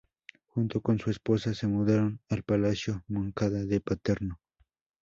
Junto con su esposa, se mudaron al Palacio Moncada de Paternò.